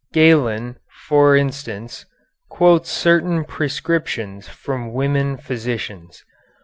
Galen, for instance, quotes certain prescriptions from women physicians.